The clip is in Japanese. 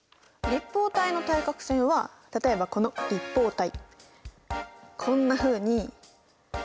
立方体の対角線は例えばこの立方体こんなふうにはめます。